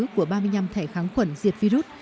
của ba mươi năm thẻ kháng khuẩn diệt virus